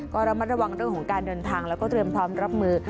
ก็ระมัดระวังเรื่องของการเดินทางแล้วก็เตรียมพร้อมรับมือ